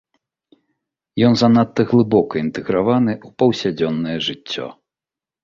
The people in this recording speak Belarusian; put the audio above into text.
Ён занадта глыбока інтэграваны ў паўсядзённае жыццё.